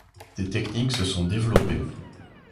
Des techniques se sont développées.